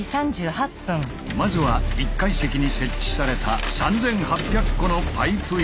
まずは１階席に設置された３，８００個のパイプ椅子。